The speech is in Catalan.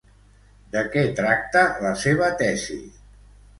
De què tracta la seva tesi?